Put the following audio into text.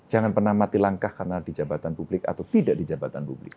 jangan pernah mati langkah karena di jabatan publik atau tidak di jabatan publik